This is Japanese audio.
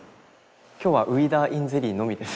今日はウイダーｉｎゼリーのみです。